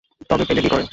তবে পেলে কী করে।